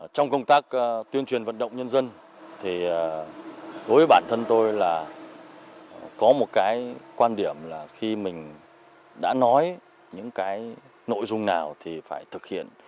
trong công tác tuyên truyền vận động nhân dân thì với bản thân tôi là có một cái quan điểm là khi mình đã nói những cái nội dung nào thì phải thực hiện